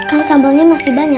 kan sambalnya masih banyaknya